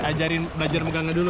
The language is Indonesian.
dia ajarin belajar megangnya dulu